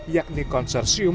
yakni konsorsium tiga ratus tiga